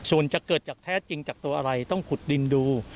ส่วนจะเกิดจากแท้จริงจากตัวอะไรต้องขุดดินดู